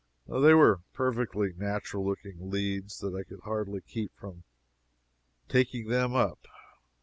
They were such perfectly natural looking leads that I could hardly keep from "taking them up."